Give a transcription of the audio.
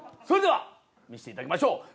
それでは見せていただきましょう。